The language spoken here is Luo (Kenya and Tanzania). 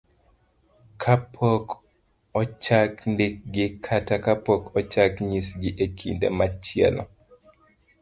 kapok ochak ndikgi, kata kapok ochak nyisgi e kinde machielo.